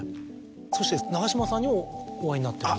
そして長嶋さんにもお会いになってるんですか？